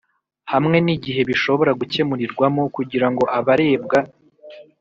hamwe n igihe bishobora gukemurirwamo kugira ngo abarebwa